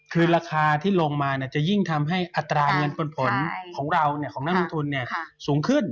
คือราคาที่ลงมาจะยิ่งทำให้อัตราเงินปันผลของเราของนักลงทุนสูงขึ้น